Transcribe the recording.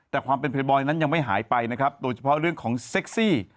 แต่ความเป็นเยบอยนั้นยังไม่หายไปนะครับโดยเฉพาะเรื่องของเซ็กซี่